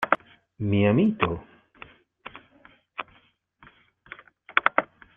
¡ mi amito!